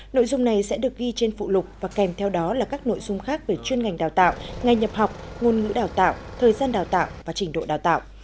nội dung này sẽ được ghi trên phụ lục và kèm theo đó là các nội dung khác về chuyên ngành đào tạo ngành nhập học ngôn ngữ đào tạo thời gian đào tạo và trình độ đào tạo